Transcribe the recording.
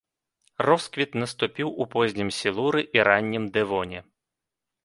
Росквіт наступіў у познім сілуры і раннім дэвоне.